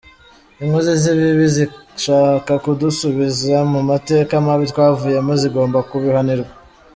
Inkozi z’ibibi zishaka kudusubiza mu mateka mabi twavuyemo zigomba kubihanirwa.